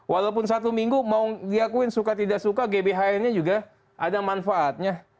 walaupun satu minggu mau diakuin suka tidak suka gbhn nya juga ada manfaatnya